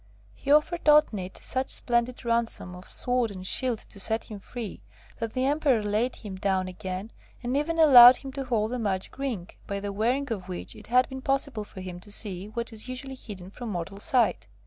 He offered Otnit such splendid ransom of sword and shield to set him free, that the Emperor laid him down again, and even allowed him to hold the magic ring, by the wearing of which it had been possible for him to see what is usually hidden from mortal sight.